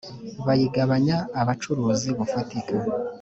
bayigabanya abacuruzi bufatika